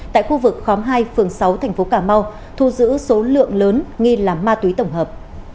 tại khu vực khóm hai phường sáu thành phố cà mau thu giữ số lượng lớn nghi là ma túy tổng hợp